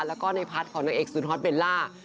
แล้วก็ในพาร์ทของนางเอกสุดฮอตเบลล่า